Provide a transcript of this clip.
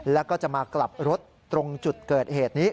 แล้วก็จะมากลับรถตรงจุดเกิดเหตุนี้